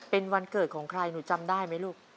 เป็นวันเกิดของใครหนูจำได้ไหมลูก